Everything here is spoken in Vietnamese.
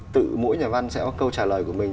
tự mỗi nhà văn sẽ có câu trả lời của mình